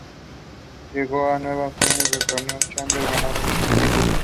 Llegó a nueve finales de torneos challenger, ganando cinco títulos.